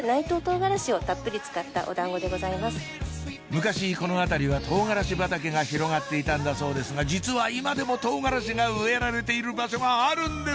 昔この辺りはトウガラシ畑が広がっていたんだそうですが実は今でもトウガラシが植えられている場所があるんです